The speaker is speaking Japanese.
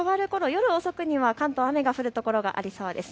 夜遅くには関東、雨が降る所がありそうです。